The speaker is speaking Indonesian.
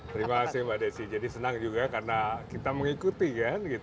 terima kasih mbak desi jadi senang juga karena kita mengikuti kan